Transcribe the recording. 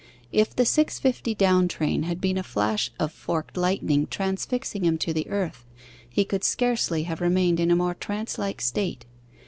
If the 6.50 down train had been a flash of forked lightning transfixing him to the earth, he could scarcely have remained in a more trance like state.